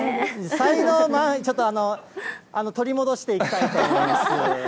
才能、ちょっとあの、取り戻していきたいと思います。